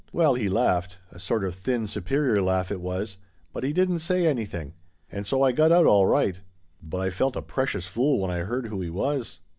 Well, he laughed — a sort of thin, superior laugh it was — but he didn't say anything; and so I got out all right. But I felt a precious fool when I heard who he was."